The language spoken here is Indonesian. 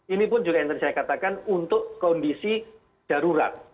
ini pun juga yang tadi saya katakan untuk kondisi darurat